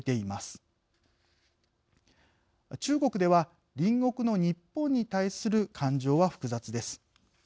一方、中国では隣国の日本に対する感情は複雑です。